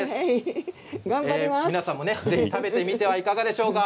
皆さんも、食べてみてはいかがでしょうか。